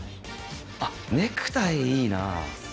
あっネクタイいいなぁ。